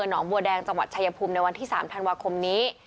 หนองบัวแดงจังหวัดชายภูมิในวันที่๓ธันวาคมนี้